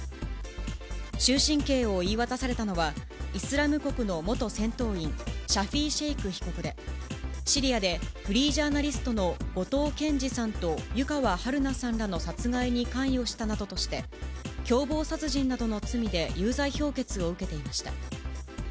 終身刑を言い渡されたのは、イスラム国の元戦闘員、シャフィ・シェイク被告で、シリアでフリージャーナリストの後藤健二さんと湯川遥菜さんの殺害に関与したなどとして、共謀殺人などの罪で有罪評決を受けていました。